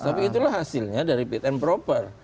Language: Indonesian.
tapi itulah hasilnya dari fit and proper